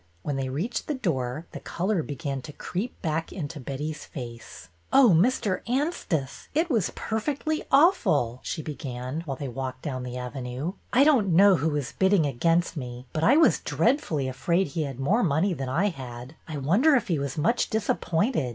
When they reached the door the color began to creep back into Betty's face. '' Oh, Mr. Anstice, it was perfectly awful !" THE UNKNOWN BIDDER 293 she began, while they walked down the Avenue. I don't know who was bidding against me, but I was dreadfully afraid he had more money than I had. I wonder if he was much disappointed?